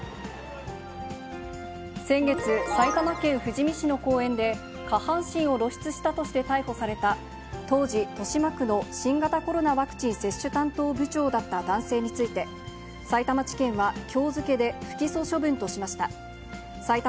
先月、埼玉県富士見市の公園で、下半身を露出したとして逮捕された当時、豊島区の新型コロナワクチン接種担当部長だった男性について、さいたま地検は、きょう付けで不起訴処分としました。